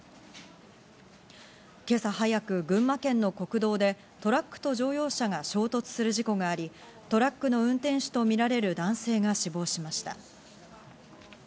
今朝早く群馬県の国道でトラックと乗用車が衝突する事故があり、トラックの運転手とみられる男性が死亡しました。